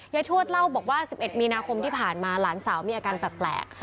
ทวดเล่าบอกว่า๑๑มีนาคมที่ผ่านมาหลานสาวมีอาการแปลก